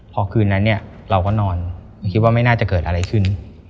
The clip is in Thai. พอคืนนั้นเนี่ยเราก็นอนคิดว่าไม่น่าจะเกิดอะไรขึ้น